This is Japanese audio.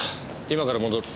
今から戻る。